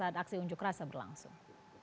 tunjuk rasa berlangsung